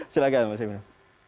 silahkan mas emil